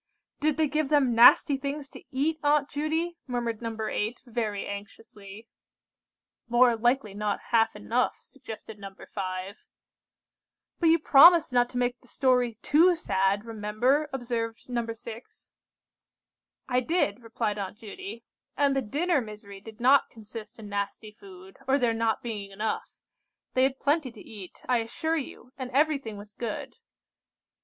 "Did they give them nasty things to eat, Aunt Judy?" murmured No. 8, very anxiously. "More likely not half enough," suggested No. 5. "But you promised not to make the story too sad, remember!" observed No. 6. "I did," replied Aunt Judy, "and the dinner misery did not consist in nasty food, or there not being enough. They had plenty to eat, I assure you, and everything was good.